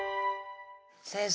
先生